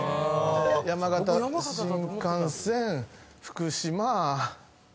山形新幹線福島。